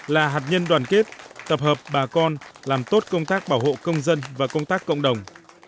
là hạt nhân đoàn kết tập hợp bà con làm tốt công tác bảo hộ công dân và công tác cộng đồng